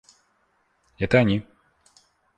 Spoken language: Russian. Это они.